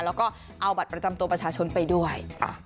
แล้วก็เอาบัตรประจำตัวประชาชนไปด้วย